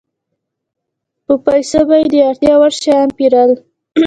په پیسو به یې د اړتیا وړ شیان پېرل